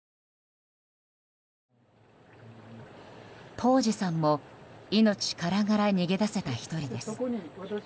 東司さんも命からがら逃げ出せた１人です。